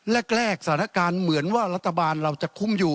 แรกสถานการณ์เหมือนว่ารัฐบาลเราจะคุ้มอยู่